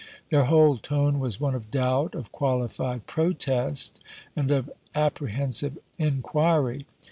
Their whole tone was one of doubt, of qualified protest, and of apprehen sive inquiry.